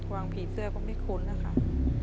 วังผีเสื้อก็ไม่คุ้นนะครับ